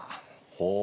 ほう。